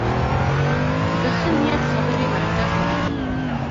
د ښه نیت خبرې برکت لري